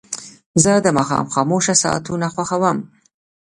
زه د ماښام خاموشه ساعتونه خوښوم.